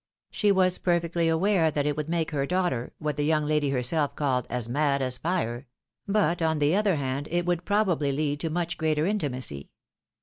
She was perfectly aware that it would make her daughter, what the young lady herself called " as mad as iire ;" but, on the other hand, it would probably lead to much greater intimacy.